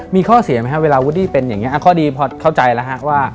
มีข้อเสียไหมฮะเวลาวุฒิเป็นอย่างเงี้ยอ่ะข้อดีพอเข้าใจแล้วฮะว่า